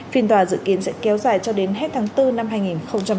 phiên tòa dự kiến sẽ kéo dài cho đến hết tháng bốn năm hai nghìn hai mươi